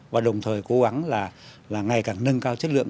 và đồng thời cố gắng là ngày càng nâng cao chất lượng